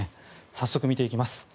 早速、見ていきます。